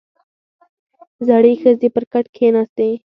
• زړې ښځې پر کټ کښېناستې.